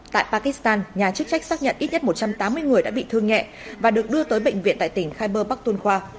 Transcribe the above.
tại pakistan nhà chức trách xác nhận ít nhất một trăm tám mươi người đã bị thương nghẹ và được đưa tới bệnh viện tại tỉnh khyber pakhtunkhwa